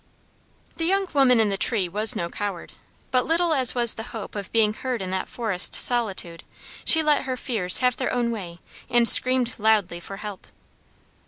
The young woman in the tree was no coward, but little as was the hope of being heard in that forest solitude she let her fears have their own way and screamed loudly for help.